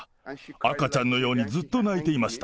赤ちゃんのようにずっと泣いていました。